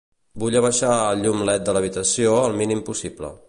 Vull abaixar el llum led de l'habitació al mínim possible.